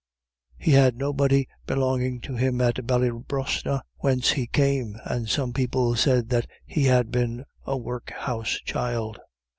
He had nobody belonging to him at Ballybrosna, whence he came, and some people said that he had been a workhouse child.